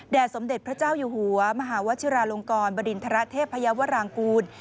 สมเด็จพระเจ้าอยู่หัวมหาวชิราลงกรบริณฑระเทพยาวรางกูล